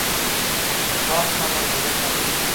خاص امر به نه صادریږي.